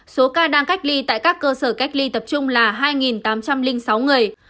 số ca đang cách ly tại các cơ sở cách ly tập trung là hai tám trăm linh sáu người